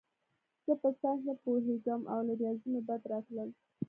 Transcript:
زه په ساینس نه پوهېږم او له ریاضي مې بد راتلل